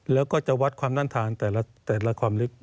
แล้วก็จะวัดความน่านทานแต่ละความลึก